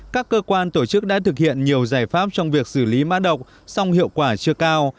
các cơ quan tổ chức đã thực hiện nhiều giải pháp trong việc xử lý mã độc song hiệu quả chưa cao